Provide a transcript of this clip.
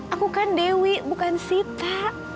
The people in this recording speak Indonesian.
aku kan dewi bukan sita